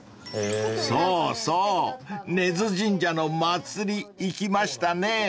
［そうそう根津神社の祭り行きましたね］